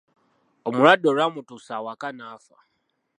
Omulwadde olwamutuusa awaka n'afa!